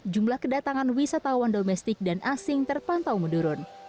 jumlah kedatangan wisatawan domestik dan asing terpantau menurun